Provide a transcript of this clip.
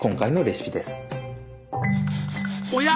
おや？